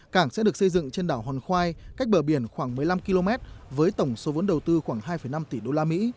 cảng sẽ được xây dựng trên đảo hòn khoai cách bờ biển khoảng một mươi năm km với tổng số vốn đầu tư khoảng hai năm tỷ usd